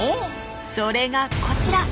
それがこちら。